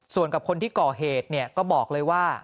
ส่วนกับคนที่ก่อเหตุก็บอกเลยว่า